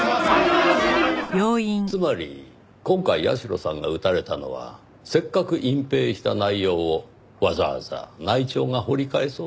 つまり今回社さんが撃たれたのはせっかく隠蔽した内容をわざわざ内調が掘り返そうとしたから。